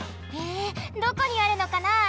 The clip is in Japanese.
へえどこにあるのかな？